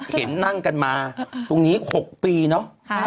เห็นนั่งกันมาตรงนี้๖ปีเนอะ